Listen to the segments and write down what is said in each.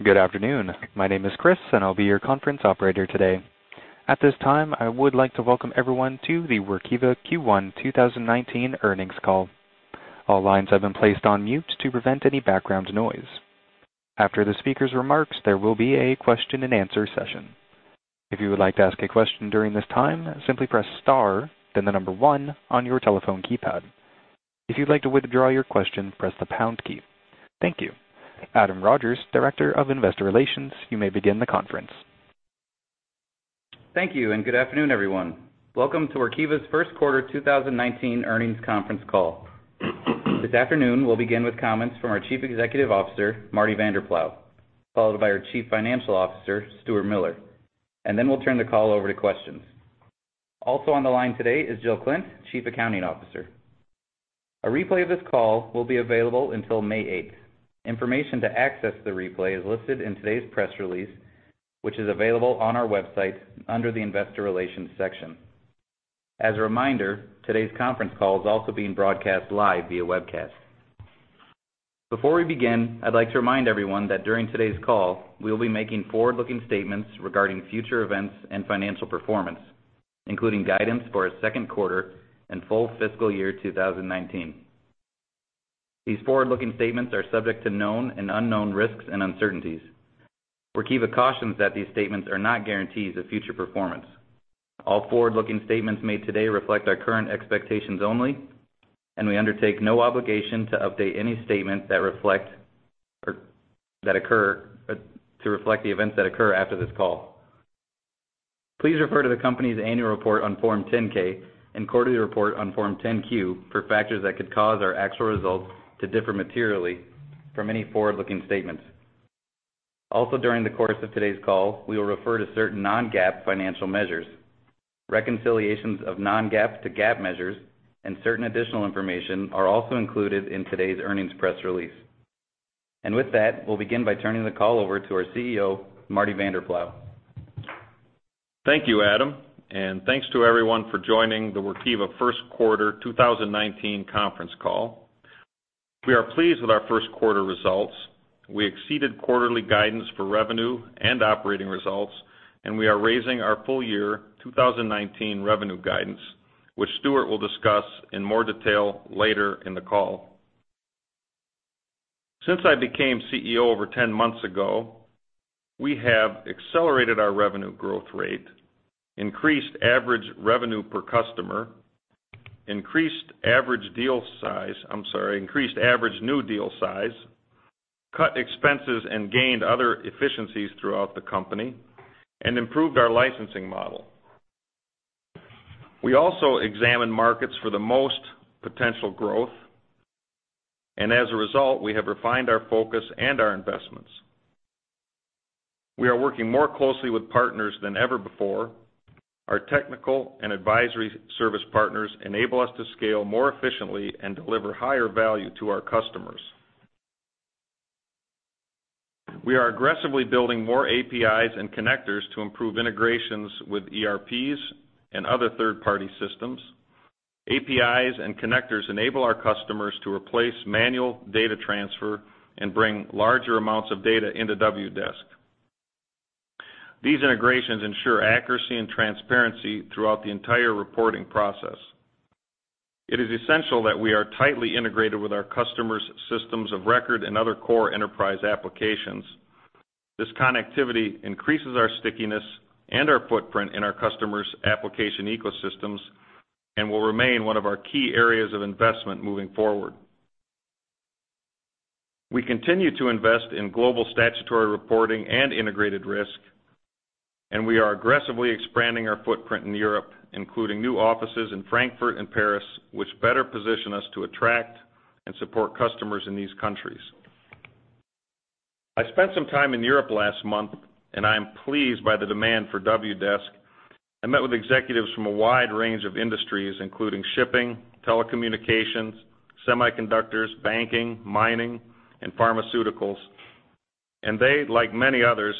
Good afternoon. My name is Chris, and I'll be your conference operator today. At this time, I would like to welcome everyone to the Workiva Q1 2019 earnings call. All lines have been placed on mute to prevent any background noise. After the speaker's remarks, there will be a question and answer session. If you would like to ask a question during this time, simply press star, then the number one on your telephone keypad. If you'd like to withdraw your question, press the pound key. Thank you. Adam Rogers, Director of Investor Relations, you may begin the conference. Thank you. Good afternoon, everyone. Welcome to Workiva's first quarter 2019 earnings conference call. This afternoon, we'll begin with comments from our Chief Executive Officer, Martin Vanderploeg, followed by our Chief Financial Officer, Stuart Miller. Then we'll turn the call over to questions. Also on the line today is Jill Klindt, Chief Accounting Officer. A replay of this call will be available until May 8th. Information to access the replay is listed in today's press release, which is available on our website under the investor relations section. As a reminder, today's conference call is also being broadcast live via webcast. Before we begin, I'd like to remind everyone that during today's call, we'll be making forward-looking statements regarding future events and financial performance, including guidance for our second quarter and full fiscal year 2019. These forward-looking statements are subject to known and unknown risks and uncertainties. Workiva cautions that these statements are not guarantees of future performance. All forward-looking statements made today reflect our current expectations only, and we undertake no obligation to update any statement to reflect the events that occur after this call. Please refer to the company's annual report on Form 10-K and quarterly report on Form 10-Q for factors that could cause our actual results to differ materially from any forward-looking statements. Also, during the course of today's call, we will refer to certain non-GAAP financial measures. Reconciliations of non-GAAP to GAAP measures and certain additional information are also included in today's earnings press release. With that, we'll begin by turning the call over to our CEO, Martin Vanderploeg. Thank you, Adam. Thanks to everyone for joining the Workiva first quarter 2019 conference call. We are pleased with our first quarter results. We exceeded quarterly guidance for revenue and operating results, and we are raising our full year 2019 revenue guidance, which Stuart will discuss in more detail later in the call. Since I became CEO over 10 months ago, we have accelerated our revenue growth rate, increased average revenue per customer, increased average new deal size, cut expenses and gained other efficiencies throughout the company, and improved our licensing model. We also examine markets for the most potential growth. As a result, we have refined our focus and our investments. We are working more closely with partners than ever before. Our technical and advisory service partners enable us to scale more efficiently and deliver higher value to our customers. We are aggressively building more APIs and connectors to improve integrations with ERPs and other third-party systems. APIs and connectors enable our customers to replace manual data transfer and bring larger amounts of data into Wdesk. These integrations ensure accuracy and transparency throughout the entire reporting process. It is essential that we are tightly integrated with our customers' systems of record and other core enterprise applications. This connectivity increases our stickiness and our footprint in our customers' application ecosystems and will remain one of our key areas of investment moving forward. We continue to invest in global statutory reporting and integrated risk, and we are aggressively expanding our footprint in Europe, including new offices in Frankfurt and Paris, which better position us to attract and support customers in these countries. I spent some time in Europe last month, and I am pleased by the demand for Wdesk. I met with executives from a wide range of industries, including shipping, telecommunications, semiconductors, banking, mining, and pharmaceuticals, and they, like many others,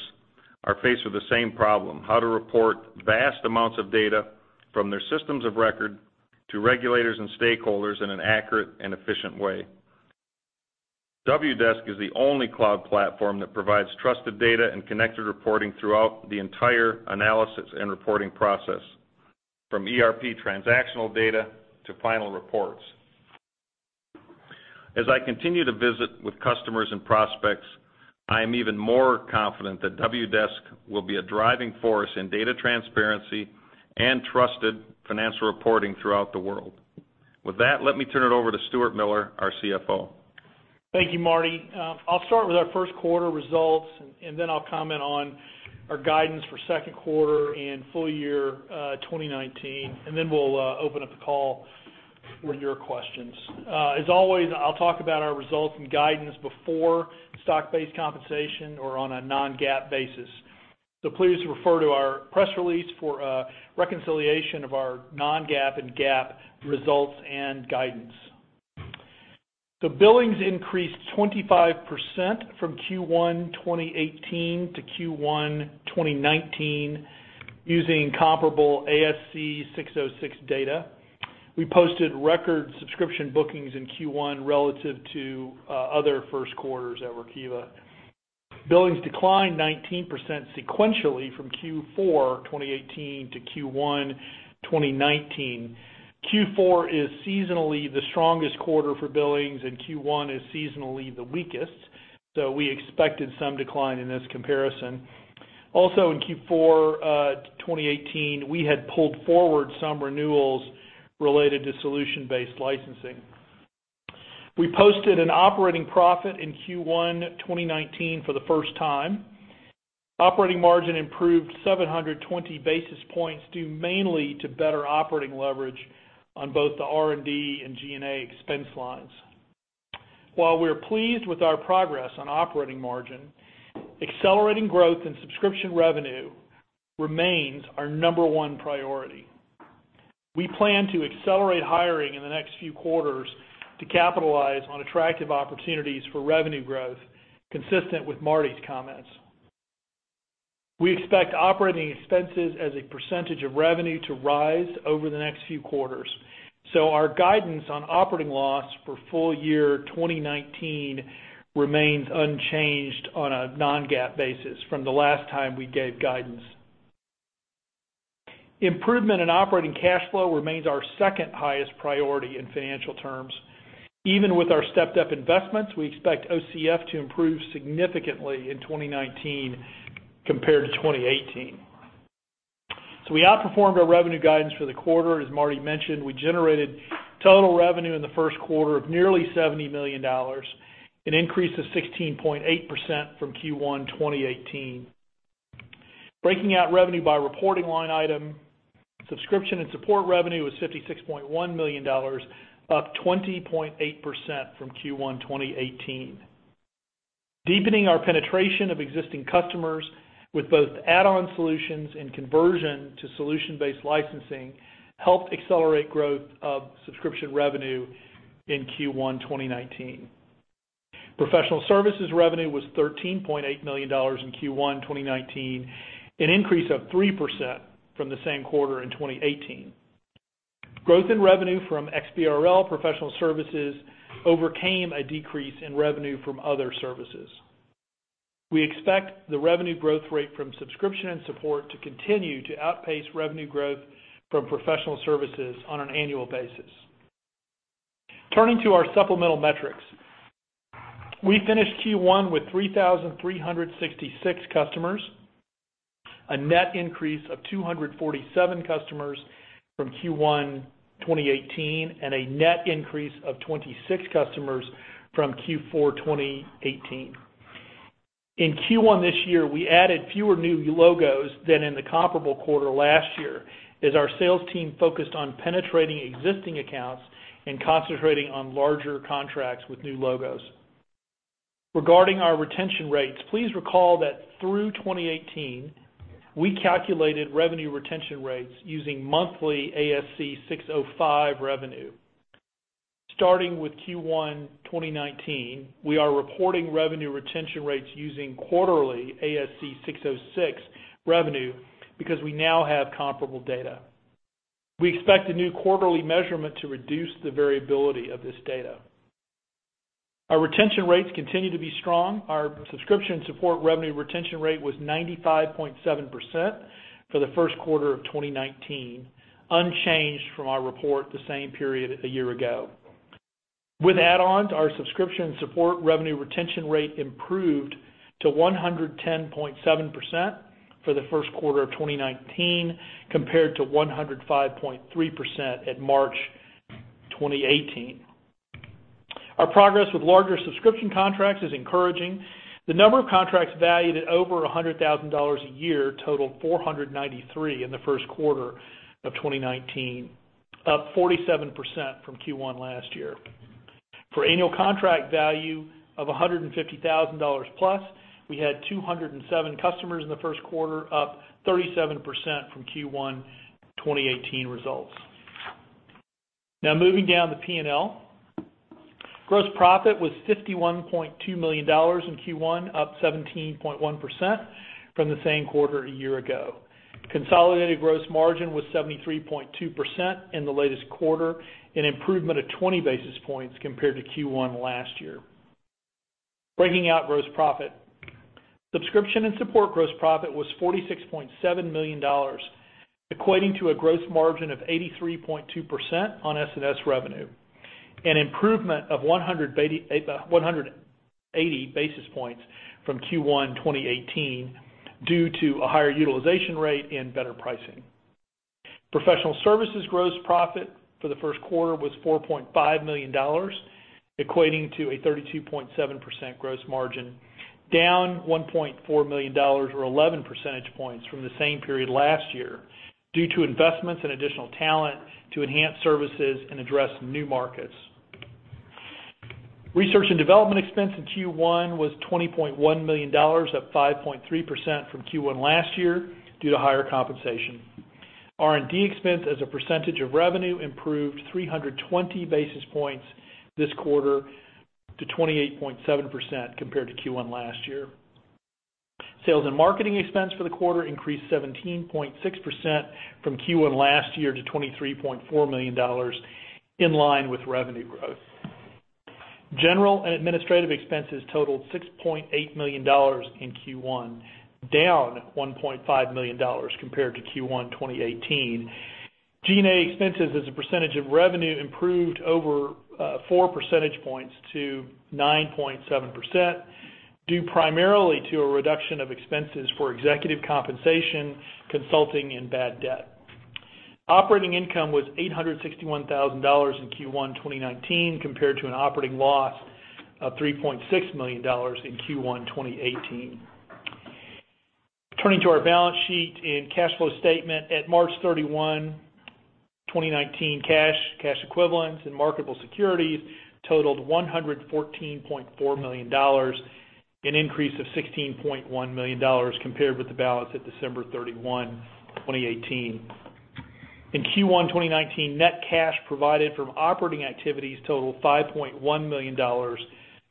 are faced with the same problem, how to report vast amounts of data from their systems of record to regulators and stakeholders in an accurate and efficient way. Wdesk is the only cloud platform that provides trusted data and connected reporting throughout the entire analysis and reporting process, from ERP transactional data to final reports. As I continue to visit with customers and prospects, I am even more confident that Wdesk will be a driving force in data transparency and trusted financial reporting throughout the world. With that, let me turn it over to Stuart Miller, our CFO. Thank you, Marty. I'll start with our first quarter results, and then I'll comment on our guidance for second quarter and full year 2019, and then we'll open up the call for your questions. As always, I'll talk about our results and guidance before stock-based compensation or on a non-GAAP basis. Please refer to our press release for a reconciliation of our non-GAAP and GAAP results and guidance. Billings increased 25% from Q1 2018 to Q1 2019 using comparable ASC 606 data. We posted record subscription bookings in Q1 relative to other first quarters at Workiva. Billings declined 19% sequentially from Q4 2018 to Q1 2019. Q4 is seasonally the strongest quarter for billings, and Q1 is seasonally the weakest, so we expected some decline in this comparison. Also in Q4 2018, we had pulled forward some renewals related to solution-based licensing. We posted an operating profit in Q1 2019 for the first time. Operating margin improved 720 basis points, due mainly to better operating leverage on both the R&D and G&A expense lines. While we are pleased with our progress on operating margin, accelerating growth in subscription revenue remains our number one priority. We plan to accelerate hiring in the next few quarters to capitalize on attractive opportunities for revenue growth, consistent with Marty's comments. We expect operating expenses as a percentage of revenue to rise over the next few quarters. Our guidance on operating loss for full year 2019 remains unchanged on a non-GAAP basis from the last time we gave guidance. Improvement in operating cash flow remains our second highest priority in financial terms. Even with our stepped-up investments, we expect OCF to improve significantly in 2019 compared to 2018. We outperformed our revenue guidance for the quarter. As Marty mentioned, we generated total revenue in the first quarter of nearly $70 million, an increase of 16.8% from Q1 2018. Breaking out revenue by reporting line item, Subscription and support revenue was $56.1 million, up 20.8% from Q1 2018. Deepening our penetration of existing customers with both add-on solutions and conversion to solution-based licensing helped accelerate growth of subscription revenue in Q1 2019. Professional Services revenue was $13.8 million in Q1 2019, an increase of 3% from the same quarter in 2018. Growth in revenue from XBRL Professional Services overcame a decrease in revenue from other services. We expect the revenue growth rate from Subscription and support to continue to outpace revenue growth from Professional Services on an annual basis. Turning to our supplemental metrics. We finished Q1 with 3,366 customers, a net increase of 247 customers from Q1 2018, and a net increase of 26 customers from Q4 2018. In Q1 this year, we added fewer new logos than in the comparable quarter last year, as our sales team focused on penetrating existing accounts and concentrating on larger contracts with new logos. Regarding our retention rates, please recall that through 2018, we calculated revenue retention rates using monthly ASC 605 revenue. Starting with Q1 2019, we are reporting revenue retention rates using quarterly ASC 606 revenue because we now have comparable data. We expect the new quarterly measurement to reduce the variability of this data. Our retention rates continue to be strong. Our subscription support revenue retention rate was 95.7% for the first quarter of 2019, unchanged from our report the same period a year ago. With add-ons, our subscription support revenue retention rate improved to 110.7% for the first quarter of 2019, compared to 105.3% at March 2018. Our progress with larger subscription contracts is encouraging. The number of contracts valued at over $100,000 a year totaled 493 in the first quarter of 2019, up 47% from Q1 last year. For annual contract value of $150,000 plus, we had 207 customers in the first quarter, up 37% from Q1 2018 results. Moving down the P&L. Gross profit was $51.2 million in Q1, up 17.1% from the same quarter a year ago. Consolidated gross margin was 73.2% in the latest quarter, an improvement of 20 basis points compared to Q1 last year. Breaking out gross profit. Subscription and support gross profit was $46.7 million, equating to a gross margin of 83.2% on S&S revenue, an improvement of 180 basis points from Q1 2018 due to a higher utilization rate and better pricing. Professional Services gross profit for the first quarter was $4.5 million, equating to a 32.7% gross margin, down $1.4 million or 11 percentage points from the same period last year due to investments in additional talent to enhance services and address new markets. Research and development expense in Q1 was $20.1 million, up 5.3% from Q1 last year due to higher compensation. R&D expense as a percentage of revenue improved 320 basis points this quarter to 28.7% compared to Q1 last year. Sales and marketing expense for the quarter increased 17.6% from Q1 last year to $23.4 million, in line with revenue growth. General and administrative expenses totaled $6.8 million in Q1, down $1.5 million compared to Q1 2018. G&A expenses as a percentage of revenue improved over four percentage points to 9.7%, due primarily to a reduction of expenses for executive compensation, consulting, and bad debt. Operating income was $861,000 in Q1 2019 compared to an operating loss of $3.6 million in Q1 2018. Turning to our balance sheet and cash flow statement, at March 31, 2019, cash equivalents, and marketable securities totaled $114.4 million, an increase of $16.1 million compared with the balance at December 31, 2018. In Q1 2019, net cash provided from operating activities totaled $5.1 million,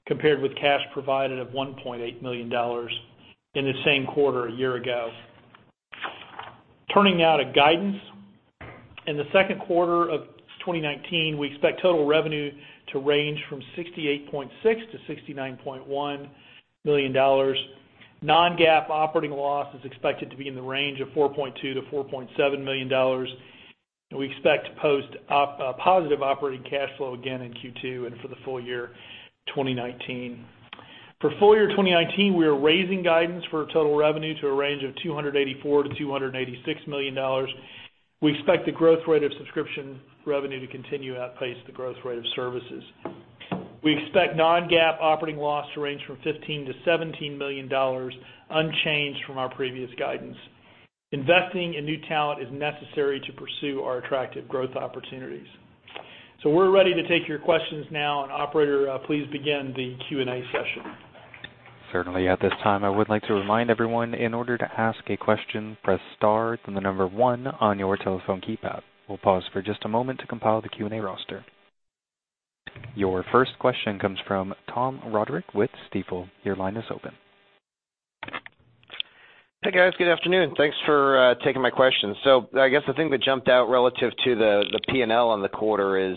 compared with cash provided of $1.8 million in the same quarter a year ago. Turning now to guidance. In the second quarter of 2019, we expect total revenue to range from $68.6 million-$69.1 million. Non-GAAP operating loss is expected to be in the range of $4.2 million-$4.7 million. We expect to post a positive operating cash flow again in Q2 and for the full year 2019. For full year 2019, we are raising guidance for total revenue to a range of $284 million-$286 million. We expect the growth rate of subscription revenue to continue to outpace the growth rate of services. We expect non-GAAP operating loss to range from $15 million-$17 million, unchanged from our previous guidance. Investing in new talent is necessary to pursue our attractive growth opportunities. We're ready to take your questions now. Operator, please begin the Q&A session. Certainly. At this time, I would like to remind everyone, in order to ask a question, press star, then the number one on your telephone keypad. We'll pause for just a moment to compile the Q&A roster. Your first question comes from Thomas Roderick with Stifel. Your line is open. Hey, guys. Good afternoon. Thanks for taking my questions. I guess the thing that jumped out relative to the P&L on the quarter is,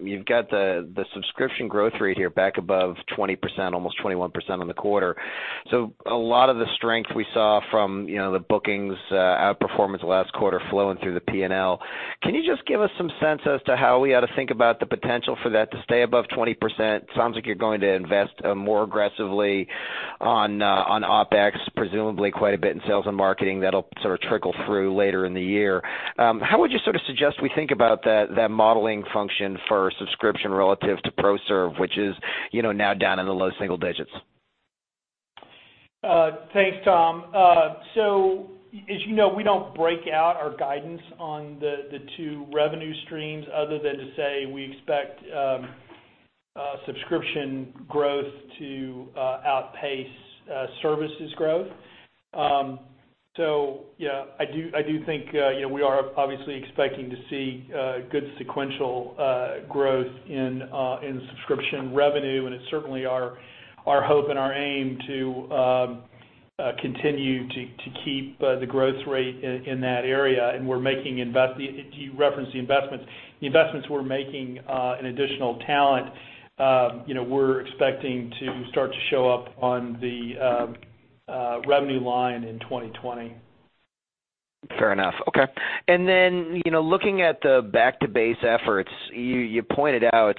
you've got the subscription growth rate here back above 20%, almost 21% on the quarter. A lot of the strength we saw from the bookings outperformance last quarter flowing through the P&L. Can you just give us some sense as to how we ought to think about the potential for that to stay above 20%? Sounds like you're going to invest more aggressively on OpEx, presumably quite a bit in sales and marketing, that'll sort of trickle through later in the year. How would you sort of suggest we think about that modeling function for subscription relative to Professional Services, which is now down in the low single digits? Thanks, Tom. As you know, we don't break out our guidance on the two revenue streams other than to say we expect subscription growth to outpace services growth. Yeah, I do think we are obviously expecting to see good sequential growth in subscription revenue, and it's certainly our hope and our aim to continue to keep the growth rate in that area, and you referenced the investments. The investments we're making in additional talent, we're expecting to start to show up on the revenue line in 2020. Fair enough. Okay. Looking at the back to base efforts, you pointed out,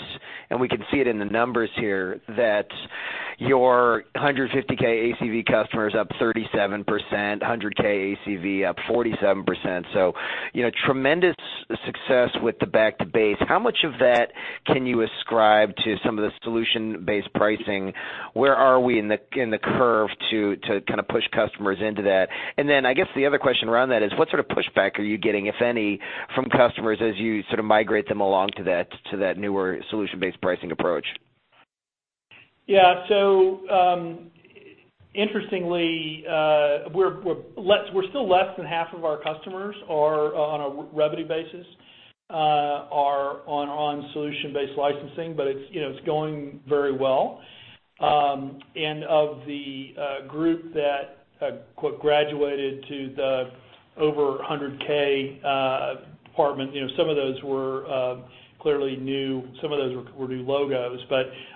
and we can see it in the numbers here, that your 150K ACV customers up 37%, 100K ACV up 47%. Tremendous success with the back to base. How much of that can you ascribe to some of the solution-based pricing? Where are we in the curve to kind of push customers into that? I guess the other question around that is, what sort of pushback are you getting, if any, from customers as you sort of migrate them along to that newer solution-based pricing approach? Yeah. Interestingly, we're still less than half of our customers, on a revenue basis, are on solution-based licensing. It's going very well. Of the group that quote graduated to the over 100K department, some of those were clearly new logos.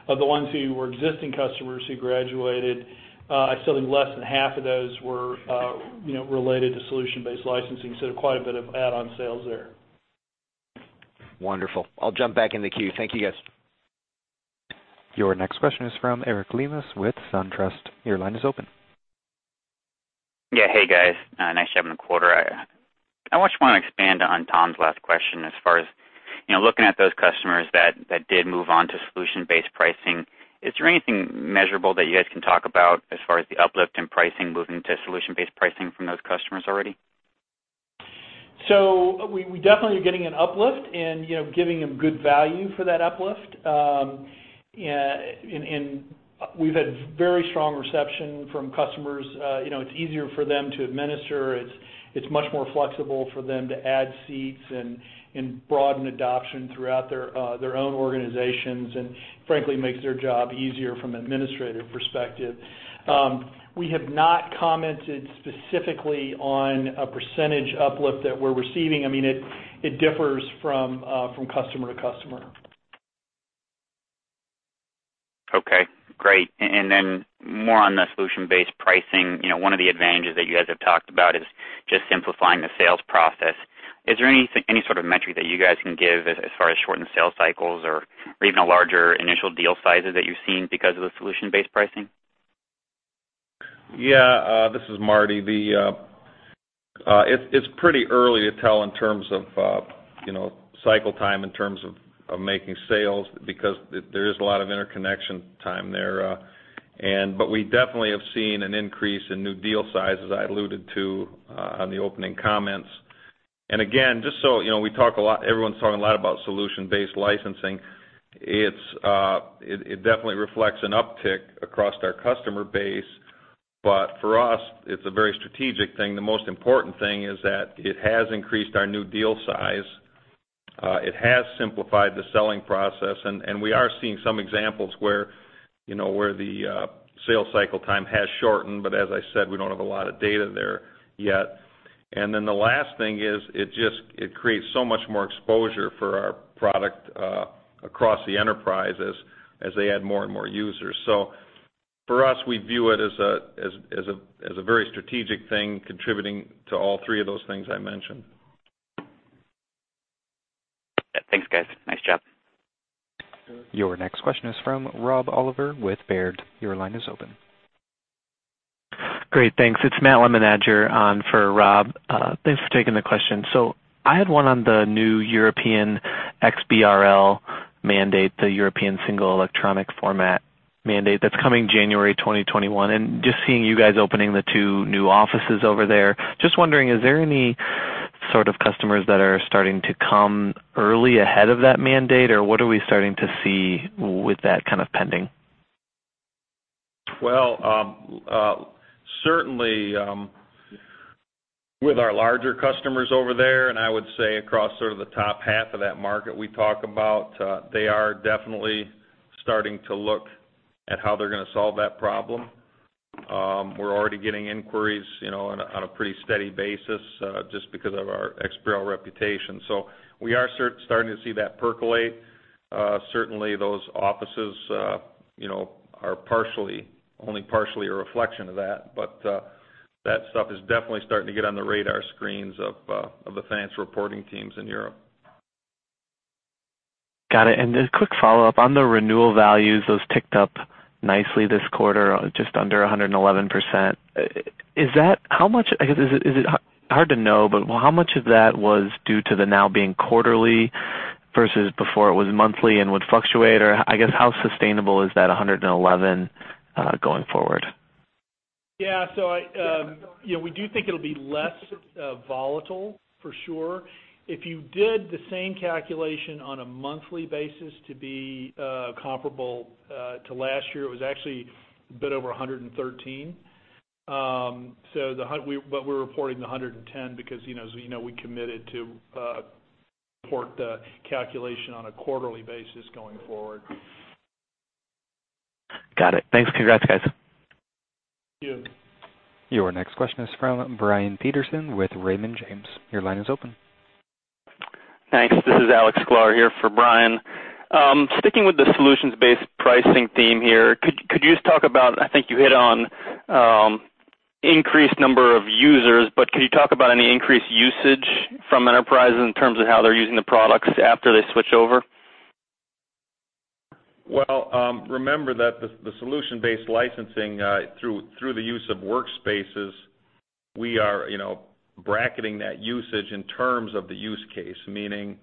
Of the ones who were existing customers who graduated, I'd say less than half of those were related to solution-based licensing. Quite a bit of add-on sales there. Wonderful. I'll jump back in the queue. Thank you, guys. Your next question is from Terry Tillman with SunTrust. Your line is open. Yeah. Hey, guys. Nice to have my quarter. I just want to expand on Tom's last question as far as looking at those customers that did move on to solution-based pricing. Is there anything measurable that you guys can talk about as far as the uplift in pricing moving to solution-based pricing from those customers already? We definitely are getting an uplift and giving them good value for that uplift. We've had very strong reception from customers. It's easier for them to administer. It's much more flexible for them to add seats and broaden adoption throughout their own organizations, and frankly, makes their job easier from an administrative perspective. We have not commented specifically on a % uplift that we're receiving. It differs from customer to customer. Okay, great. Then more on the solution-based pricing. One of the advantages that you guys have talked about is just simplifying the sales process. Is there any sort of metric that you guys can give as far as shortened sales cycles or even larger initial deal sizes that you've seen because of the solution-based pricing? This is Marty. It's pretty early to tell in terms of cycle time, in terms of making sales, because there is a lot of interconnection time there. We definitely have seen an increase in new deal size, as I alluded to on the opening comments. Again, everyone's talking a lot about solution-based licensing. It definitely reflects an uptick across our customer base. For us, it's a very strategic thing. The most important thing is that it has increased our new deal size. It has simplified the selling process, we are seeing some examples where the sales cycle time has shortened, but as I said, we don't have a lot of data there yet. The last thing is, it creates so much more exposure for our product across the enterprise as they add more and more users. For us, we view it as a very strategic thing, contributing to all three of those things I mentioned. Thanks, guys. Nice job. Your next question is from Robert Oliver with Baird. Your line is open. Great. Thanks. It's Matt Lemenager on for Rob. Thanks for taking the question. I had one on the new European XBRL mandate, the European Single Electronic Format mandate that's coming January 2021, and just seeing you guys opening the two new offices over there. Just wondering, is there any sort of customers that are starting to come early ahead of that mandate, or what are we starting to see with that kind of pending? Certainly, with our larger customers over there, and I would say across sort of the top half of that market we talk about, they are definitely starting to look at how they're going to solve that problem. We're already getting inquiries on a pretty steady basis, just because of our XBRL reputation. We are starting to see that percolate. Certainly, those offices are only partially a reflection of that, but that stuff is definitely starting to get on the radar screens of the finance reporting teams in Europe. Got it. A quick follow-up on the renewal values, those ticked up nicely this quarter, just under 111%. Hard to know, but how much of that was due to the now being quarterly versus before it was monthly and would fluctuate, or I guess how sustainable is that 111 going forward? We do think it'll be less volatile, for sure. If you did the same calculation on a monthly basis to be comparable to last year, it was actually a bit over 113. We're reporting 110 because as you know, we committed to report the calculation on a quarterly basis going forward. Got it. Thanks. Congrats, guys. Thank you. Your next question is from Brian Peterson with Raymond James. Your line is open. Thanks. This is Alexander Sklar here for Brian. Sticking with the solutions-based pricing theme here, could you just talk about, I think you hit on increased number of users, but could you talk about any increased usage from enterprises in terms of how they're using the products after they switch over? Well, remember that the solution-based licensing, through the use of workspaces, we are bracketing that usage in terms of the use case, meaning,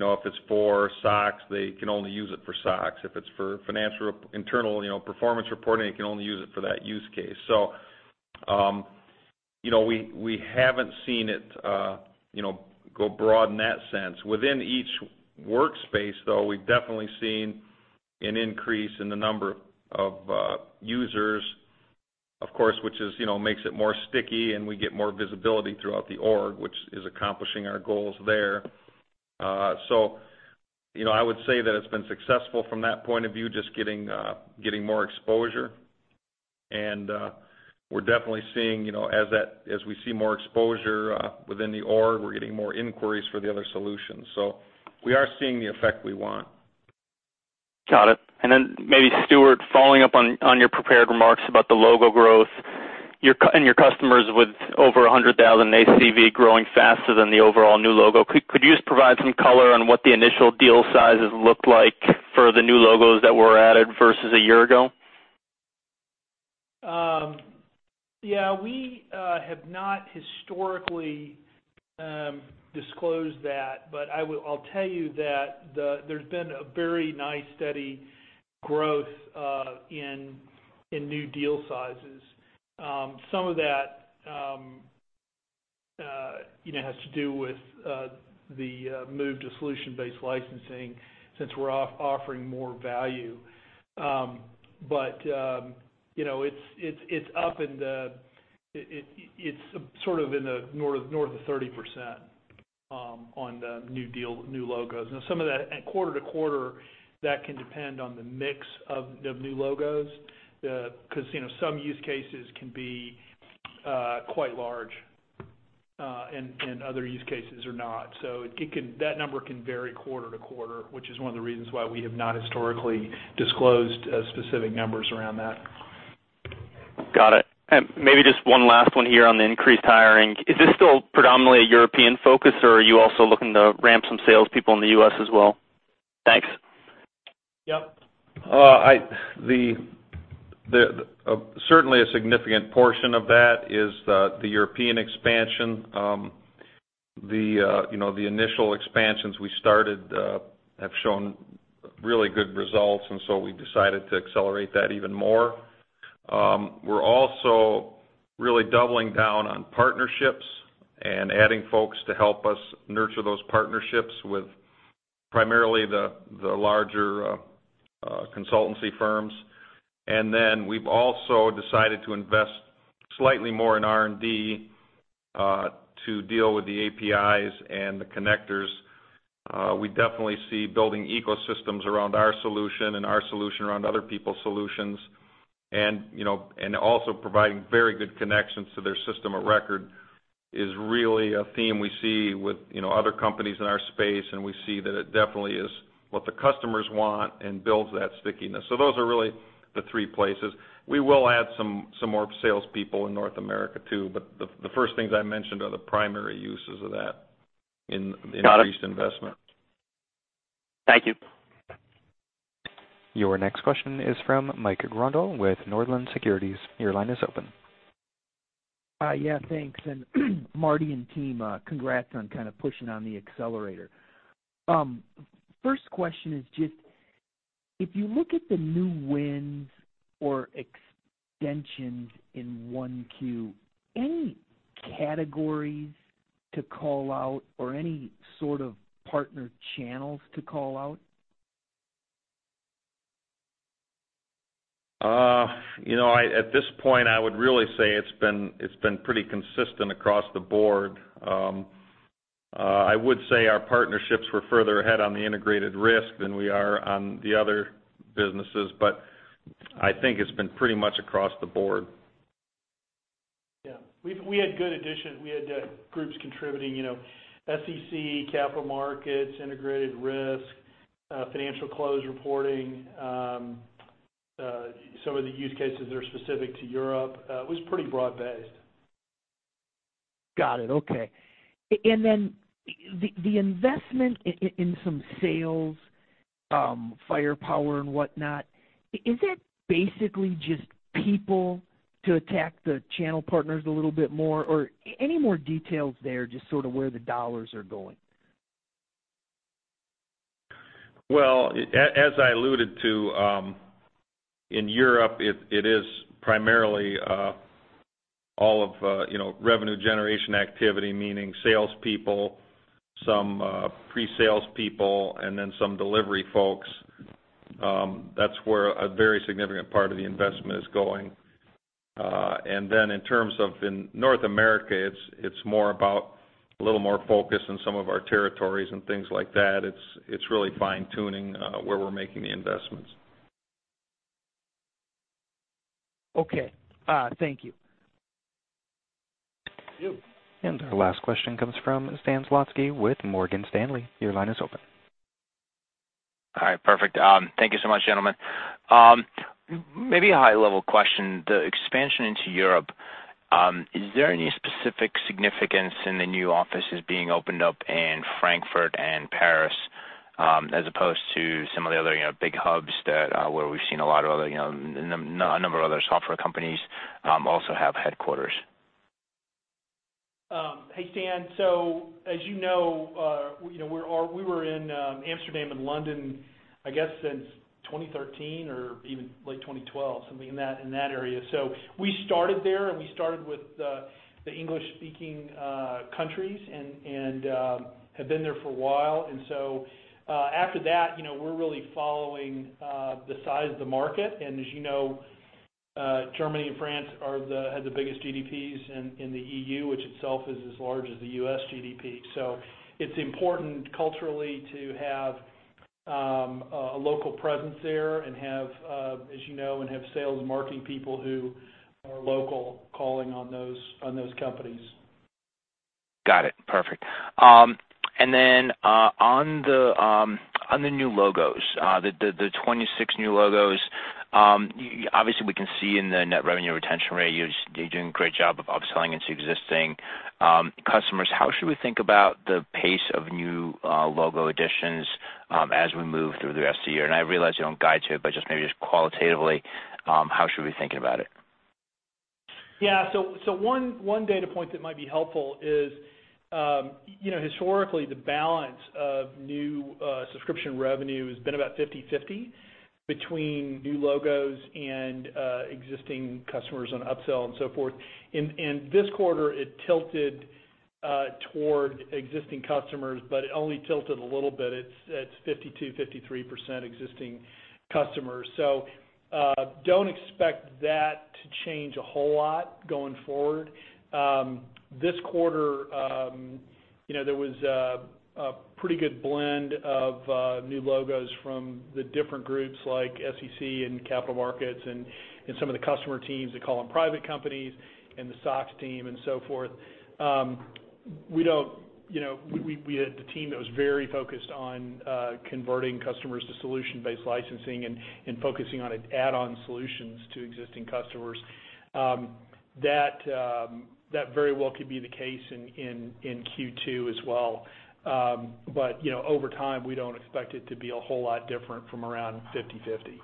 if it's for SOX, they can only use it for SOX. If it's for financial internal performance reporting, it can only use it for that use case. We haven't seen it go broad in that sense. Within each workspace, though, we've definitely seen an increase in the number of users, of course, which makes it stickier, and we get more visibility throughout the org, which is accomplishing our goals there. I would say that it's been successful from that point of view, just getting more exposure. We're definitely seeing as we see more exposure within the org, we're getting more inquiries for the other solutions. We are seeing the effect we want. Got it. Maybe Stuart, following up on your prepared remarks about the logo growth and your customers with over $100,000 ACV growing faster than the overall new logo. Could you just provide some color on what the initial deal sizes looked like for the new logos that were added versus a year ago? Yeah. We have not historically disclosed that, but I'll tell you that there's been a very nice, steady growth in new deal sizes. Some of that has to do with the move to solution-based licensing since we're offering more value. It's sort of north of 30% on the new logos. Now, some of that, at quarter to quarter, that can depend on the mix of the new logos, because some use cases can be quite large, and other use cases are not. That number can vary quarter to quarter, which is one of the reasons why we have not historically disclosed specific numbers around that. Got it. Maybe just one last one here on the increased hiring. Is this still predominantly a European focus, or are you also looking to ramp some sales people in the U.S. as well? Thanks. Yep. Certainly, a significant portion of that is the European expansion. The initial expansions we started have shown really good results. We decided to accelerate that even more. We're also really doubling down on partnerships and adding folks to help us nurture those partnerships with primarily the larger consultancy firms. We've also decided to invest slightly more in R&D, to deal with the APIs and the connectors. We definitely see building ecosystems around our solution and our solution around other people's solutions. Providing very good connections to their system of record is really a theme we see with other companies in our space, and we see that it definitely is what the customers want and builds that stickiness. Those are really the three places. We will add some more salespeople in North America, too. The first things I mentioned are the primary uses of that in- Got it increased investment. Thank you. Your next question is from Mike Grondahl with Northland Securities. Your line is open. Yeah, thanks. Marty and team, congrats on pushing on the accelerator. First question is just, if you look at the new wins or extensions in 1Q, any categories to call out or any sort of partner channels to call out? At this point, I would really say it's been pretty consistent across the board. I would say our partnerships were further ahead on the integrated risk than we are on the other businesses, but I think it's been pretty much across the board. Yeah. We had good additions. We had groups contributing, SEC, capital markets, integrated risk, financial close reporting. Some of the use cases are specific to Europe. It was pretty broad-based. Got it. Okay. Then the investment in some sales, firepower and whatnot, is that basically just people to attack the channel partners a little bit more, or any more details there, just sort of where the dollars are going? Well, as I alluded to, in Europe, it is primarily all of revenue generation activity, meaning salespeople, some pre-salespeople, then some delivery folks. That's where a very significant part of the investment is going. Then in terms of in North America, it's more about a little more focus in some of our territories and things like that. It's really fine-tuning where we're making the investments. Okay. Thank you. Thank you. Our last question comes from Stan Zlotsky with Morgan Stanley. Your line is open. All right, perfect. Thank you so much, gentlemen. Maybe a high-level question. The expansion into Europe, is there any specific significance in the new offices being opened up in Frankfurt and Paris, as opposed to some of the other big hubs where we've seen a number of other software companies also have headquarters? Hey, Stan. As you know we were in Amsterdam and London, I guess, since 2013 or even late 2012, something in that area. We started there, and we started with the English-speaking countries and have been there for a while. After that, we're really following the size of the market. As you know, Germany and France have the biggest GDPs in the EU, which itself is as large as the U.S. GDP. It's important culturally to have a local presence there and have, as you know, sales marketing people who are local, calling on those companies. Got it. Perfect. Then, on the new logos, the 26 new logos, obviously, we can see in the net revenue retention rate, you're doing a great job of upselling into existing customers. How should we think about the pace of new logo additions as we move through the rest of the year? I realize you don't guide to it, but just maybe just qualitatively, how should we be thinking about it? Yeah. One data point that might be helpful is Historically, the balance of new subscription revenue has been about 50/50 between new logos and existing customers on upsell and so forth. This quarter, it tilted toward existing customers, but it only tilted a little bit. It's 52, 53% existing customers. Don't expect that to change a whole lot going forward. This quarter, there was a pretty good blend of new logos from the different groups like SEC and Capital Markets and some of the customer teams, they call them private companies, and the SOX team and so forth. We had the team that was very focused on converting customers to solution-based licensing and focusing on add-on solutions to existing customers. That very well could be the case in Q2 as well. Over time, we don't expect it to be a whole lot different from around 50/50.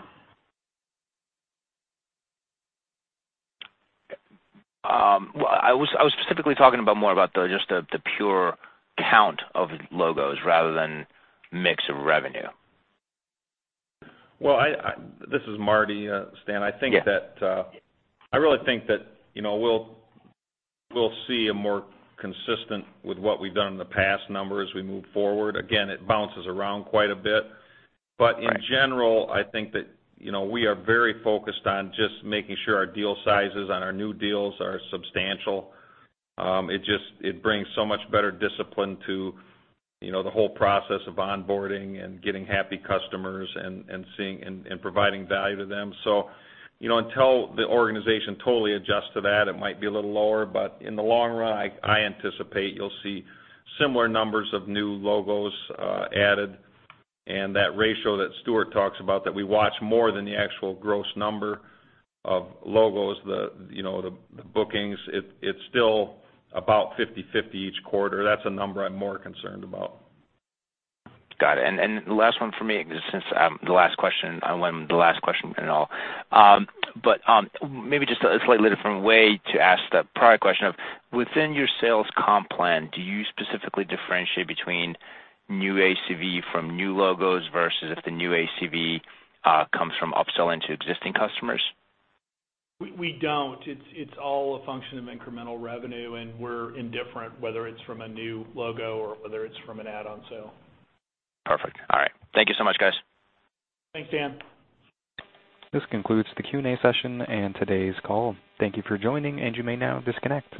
Well, I was specifically talking about more about just the pure count of logos rather than mix of revenue. Well, this is Marty. Stan, I really think that we'll see a more consistent with what we've done in the past number as we move forward. Again, it bounces around quite a bit. Right. In general, I think that we are very focused on just making sure our deal sizes on our new deals are substantial. It brings so much better discipline to the whole process of onboarding and getting happy customers and providing value to them. Until the organization totally adjusts to that, it might be a little lower, but in the long run, I anticipate you'll see similar numbers of new logos added and that ratio that Stuart talks about, that we watch more than the actual gross number of logos, the bookings, it's still about 50/50 each quarter. That's a number I'm more concerned about. Got it. The last one from me. Maybe just a slightly different way to ask the prior question of, within your sales comp plan, do you specifically differentiate between new ACV from new logos versus if the new ACV comes from upselling to existing customers? We don't. It's all a function of incremental revenue, and we're indifferent whether it's from a new logo or whether it's from an add-on sale. Perfect. All right. Thank you so much, guys. Thanks, Stan. This concludes the Q&A session and today's call. Thank you for joining, and you may now disconnect.